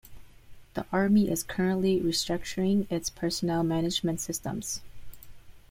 The Army is currently restructuring its personnel management systems.